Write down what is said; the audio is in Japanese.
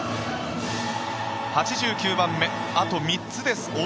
８９番目、あと３つです。